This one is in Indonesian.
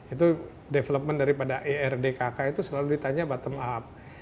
itu development daripada erdkk itu selalu ditanya bottom up